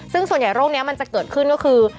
ส่วนใหญ่โรคนี้เกิดขึ้นก็คือ